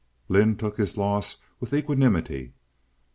Lynde took his loss with equanimity.